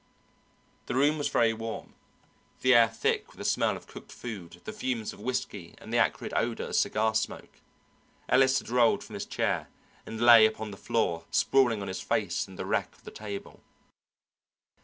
The room was very warm, the air thick with the smell of cooked food, the fumes of whisky, and the acrid odour of cigar smoke. Ellis had rolled from his chair and lay upon the floor sprawling on his face in the wreck of the table.